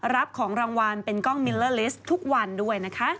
รับของรางวัลเป็นกล้องมิลเลอร์ลิสต์ทุกวันด้วยนะคะ